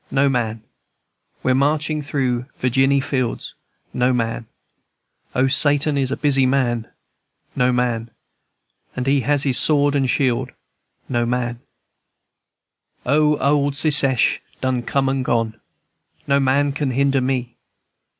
No man, &c. We're marching through Virginny fields. No man, &c. O, Satan is a busy man, No man, &c. And he has his sword and shield, No man, &c. O, old Secesh done come and gone! No man can hinder me."